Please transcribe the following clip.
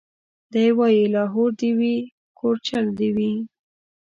دی وايي لاهور دي وي کورجل دي وي